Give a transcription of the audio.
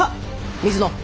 水野。